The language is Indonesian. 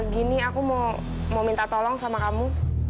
gini aku mau minta tolong sama kamu